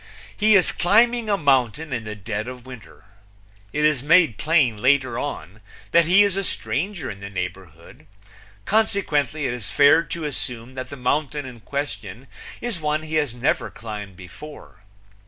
He is climbing a mountain in the dead of winter. It is made plain later on that he is a stranger in the neighborhood, consequently it is fair to assume that the mountain in question is one he has never climbed before.